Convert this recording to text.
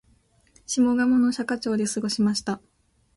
下鴨の社家町で過ごしました